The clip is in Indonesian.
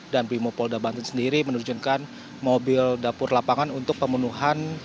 dan brimob polda banten sendiri menunjukkan mobil dapur lapangan untuk pemenuhan